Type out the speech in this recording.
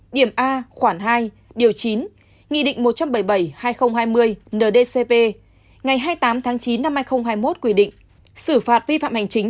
điểm a khoảng hai điều chín nghị định một trăm bảy mươi bảy hai nghìn hai mươi ndcp ngày hai mươi tám tháng chín năm hai nghìn hai mươi một quy định xử phạt vi phạm hành chính